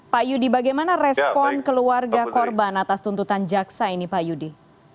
pak yudi bagaimana respon keluarga korban atas tuntutan jaksa ini pak yudi